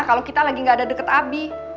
kalau kita lagi gak ada deket api